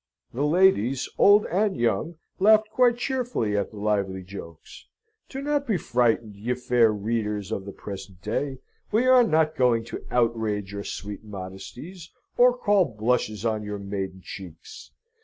The ladies, old and young, laughed quite cheerfully at the lively jokes. Do not be frightened, ye fair readers of the present day! We are not going to outrage your sweet modesties, or call blushes on your maiden cheeks.